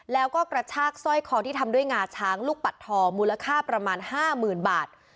แล้วก็กระชากสร้อยคอที่ทำด้วยงาช้างลูกปัดทองมูลค่าประมาณ๕๐๐๐บาท